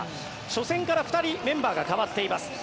初戦から２人メンバーが代わっています。